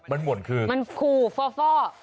มันหม่นคือมันขู่ฟ่อ